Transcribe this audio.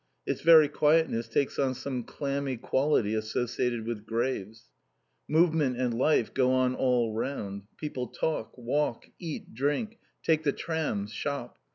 Its very quietness takes on some clammy quality associated with graves. Movement and life go on all round. People walk, talk, eat, drink, take the trams, shop.